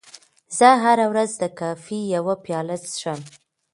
زه هره ورځ د کافي یوه پیاله څښم.